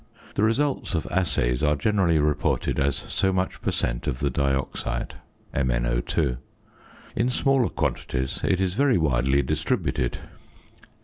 The results of assays are generally reported as so much per cent. of the dioxide (MnO_). In smaller quantities it is very widely distributed.